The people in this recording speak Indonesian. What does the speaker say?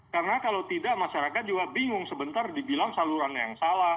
karena kalau tidak masyarakat juga bingung sebentar dibilang saluran yang salah